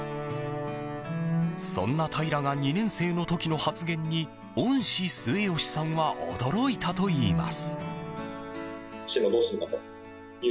そんな平良が２年生の時の発言に恩師・末吉さんは驚いたといいます。